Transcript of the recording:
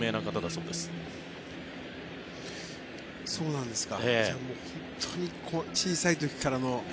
そうなんですか。